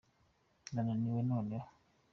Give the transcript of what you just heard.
ndananiwe noneho